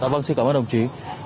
vâng xin cảm ơn đồng chí